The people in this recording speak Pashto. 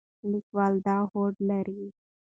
لیکوال دا هوډ لري.